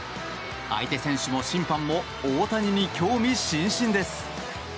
相手選手も審判も大谷に興味津々です。